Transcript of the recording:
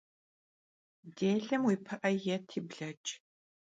Dêlem vui pı'e yêti bleç'.